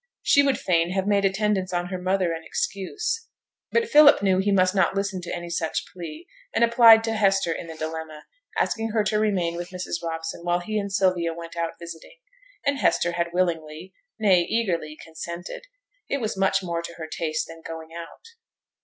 She would fain have made attendance on her mother an excuse; but Philip knew he must not listen to any such plea, and applied to Hester in the dilemma, asking her to remain with Mrs. Robson while he and Sylvia went out visiting; and Hester had willingly, nay, eagerly consented it was much more to her taste than going out.